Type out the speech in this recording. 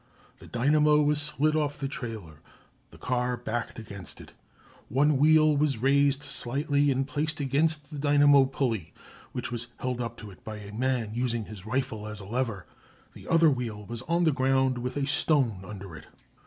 The dynamo was slid off the trailer, the car backed against it; one wheel was raised slightly and placed against the dynamo pulley, which was held up to it by a man using his rifle as a lever; the other wheel was on the ground with a stone under it.